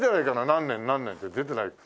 何年何年って出てない？